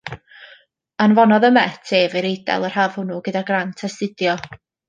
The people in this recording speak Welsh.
Anfonodd y Met ef i'r Eidal yr haf hwnnw gyda grant astudio.